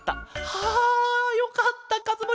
はあよかったかずむ